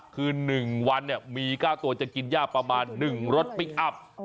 คือ๑วันมี๙ตัวจะกินย่าประมาณ๑รสพลิกอัพ